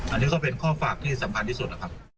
อันนี้ก็เป็นข้อฝากที่สำคัญที่สุดนะครับ